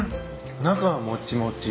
中はもちもち。